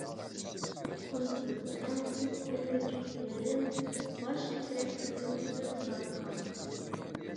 خۇنسىز، رەڭسىز ئۆمۈچۈك تېنىدىن، باش، كۆكرەكلىرىدىن تېمىپ تۇرار قان.